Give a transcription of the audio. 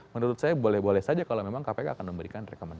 menurut saya boleh boleh saja kalau memang kpk akan memberikan rekomendasi